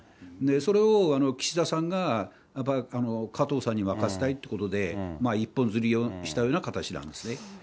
それを岸田さんが、加藤さんに任せたいということで、一本釣りをしたような形なんですね。